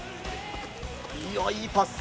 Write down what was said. いいよ、いいパス。